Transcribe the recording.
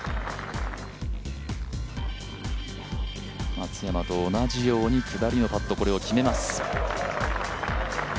松山と同じように下りのパットを決めます。